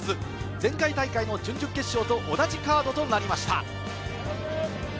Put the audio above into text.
前回大会も準々決勝と同じカードとなりました。